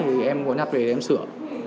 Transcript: thì em có nhặt về thì em sửa